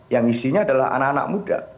yang isinya adalah anak anak muda